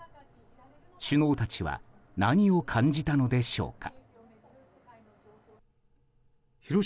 首脳たちは何を感じたのでしょうか。